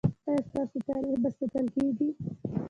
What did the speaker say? ایا ستاسو تاریخ به ساتل کیږي؟